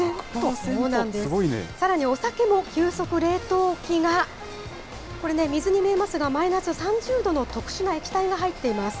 さらにお酒も急速冷凍機が、これね、水に見えますが、マイナス３０度の特殊な液体が入っています。